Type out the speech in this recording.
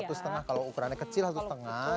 satu setengah kalau ukurannya kecil satu setengah